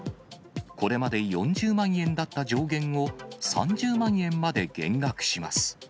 これまで４０万円だった上限を、３０万円まで減額します。